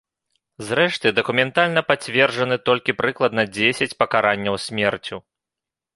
Зрэшты, дакументальна пацверджаны толькі прыкладна дзесяць пакаранняў смерцю.